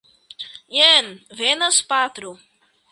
Jen venas patro.